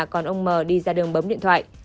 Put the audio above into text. còn ông m đi ra đường bấm điện thoại